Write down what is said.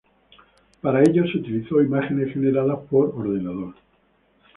Para ello se utilizó imágenes generadas por computadora.